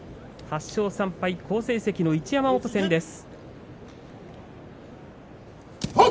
８勝３敗と好成績の一山本戦です。